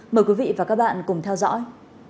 mời quý vị và các bạn cùng theo dõi